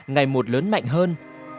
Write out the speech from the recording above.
ngày một lớn mạnh hơn